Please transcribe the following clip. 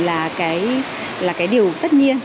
là cái điều tất nhiên